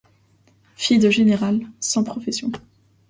Fille de général, sans profession.